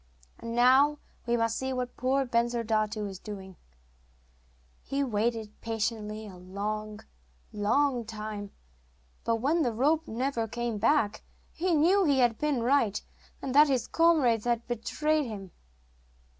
And now we must see what poor Bensurdatu was doing. He waited patiently a long, long time, but when the rope never came back he knew he had been right, and that his comrades had betrayed him.